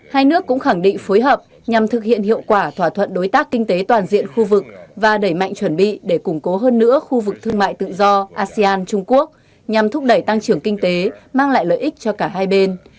hai nước cũng khẳng định phối hợp nhằm thực hiện hiệu quả thỏa thuận đối tác kinh tế toàn diện khu vực và đẩy mạnh chuẩn bị để củng cố hơn nữa khu vực thương mại tự do asean trung quốc nhằm thúc đẩy tăng trưởng kinh tế mang lại lợi ích cho cả hai bên